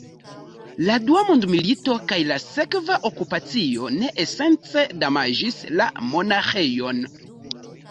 La dua mondmilito kaj la sekva okupacio ne esence damaĝis la monaĥejon.